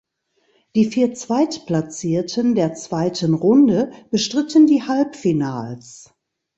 Die vier Zweitplatzierten der zweiten Runde bestritten die Halbfinals.